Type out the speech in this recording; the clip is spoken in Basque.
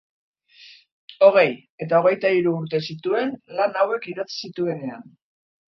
Hogei eta hogeita hiru urte zituen lan hauek idatzi zituenean.